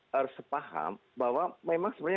harus sepaham bahwa memang sebenarnya